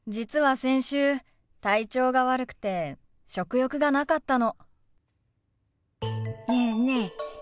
先週体調が悪くて食欲がなかったの。